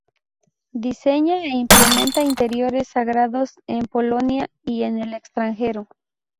Diseña e implementa interiores sagrados en Polonia y en el extranjero.